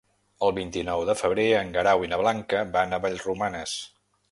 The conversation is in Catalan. El vint-i-nou de febrer en Guerau i na Blanca van a Vallromanes.